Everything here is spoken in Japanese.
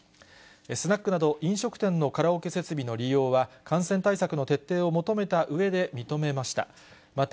スナックなど飲食店のカラオケ設備の利用は、感染対策の徹底を求めたうえで認めました。